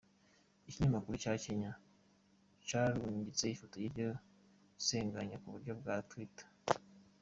Ikinyamakuru ca Kenya carungitse ifoto y'iryo sanganya ku buryo bwa Twitter: .